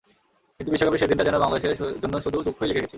কিন্তু বিশ্বকাপের শেষ দিনটা যেন বাংলাদেশের জন্য শুধু দুঃখই লিখে রেখেছিল।